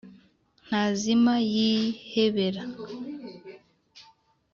Nta zima yihebere,